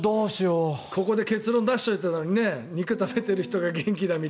ここで結論出してたのにね肉を食べているほうが元気だって。